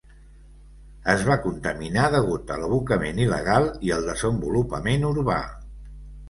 Es va contaminar degut a l'abocament il·legal i el desenvolupament urbà.